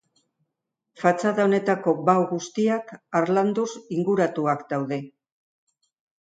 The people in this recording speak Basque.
Fatxada honetako bao guztiak harlanduz inguratuak daude.